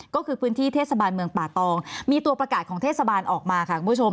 ก็คือพื้นที่เทศบาลเมืองป่าตองมีตัวประกาศของเทศบาลออกมาค่ะคุณผู้ชม